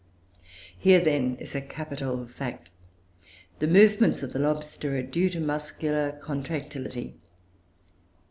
Here, then, is a capital fact. The movements of the lobster are due to muscular contractility.